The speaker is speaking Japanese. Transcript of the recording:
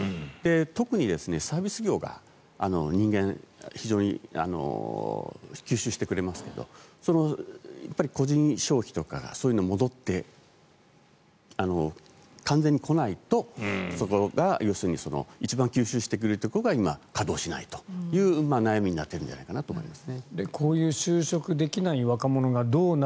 特にサービス業が人間非常に吸収してくれますけど個人消費とかそういうのが完全に戻ってこないとそこが一番吸収してくれるところが今、稼働しないという悩みになっているんじゃないかと思います。